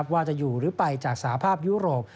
ว่าจะอยู่หรือไปจากสาภาพยุโรป